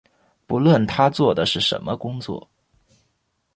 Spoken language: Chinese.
不论他做的是什么工作